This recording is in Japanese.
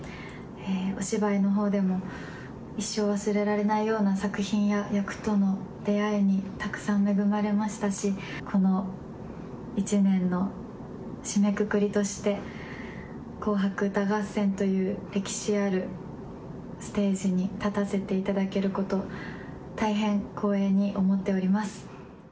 お芝居のほうでも、一生忘れられないような作品や役との出会いにたくさん恵まれましたし、この１年の締めくくりとして、紅白歌合戦という歴史あるステージに立たせていただけること、大変光栄に思っております。